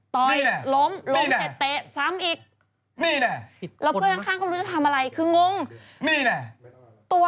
ล้มล้มเสร็จเตะซ้ำอีกนี่น่ะแล้วเพื่อนข้างข้างก็ไม่รู้จะทำอะไรคืองงนี่น่ะตัว